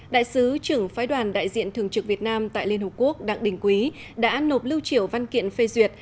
đại sứ trưởng phái đoàn đại diện thường trực việt nam tại liên hợp quốc đặng đình quý đã nộp lưu triểu văn kiện phê duyệt